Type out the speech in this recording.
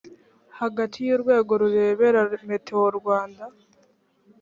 hagati y urwego rureberera metewo rwanda